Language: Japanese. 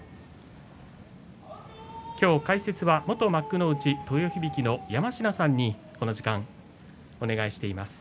今日、解説は元幕内豊響の山科さんにこの時間お願いしています。